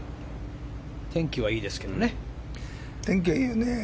天気はいいですけどね。